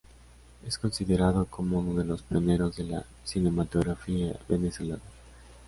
Es considerado como uno de los pioneros de la cinematografía venezolana.